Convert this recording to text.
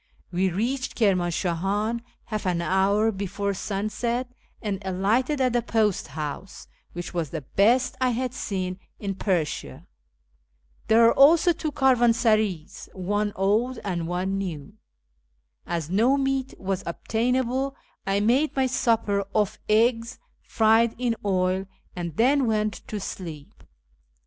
"We reached Kirmanshahan half an hour before sunset, and alighted at the post house, which was the best I had seen in Persia. There are also two caravansarays, one old and one new. As no meat was obtainable, I made my supper off eggs fried in oil, and then went to sleep.